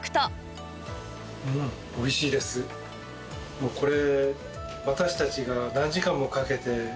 もうこれ。